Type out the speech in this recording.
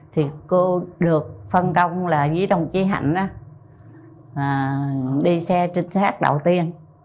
thì cô được phân công là dưới đồng chí hạnh là đi xe chính xác đầu tiên